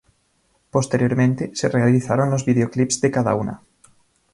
Posteriormente, se realizaron los videoclips de cada una.